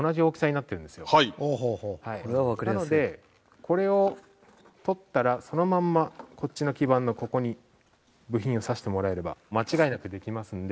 なのでこれを取ったらそのままこっちの基板のここに部品を差してもらえれば間違いなくできますので。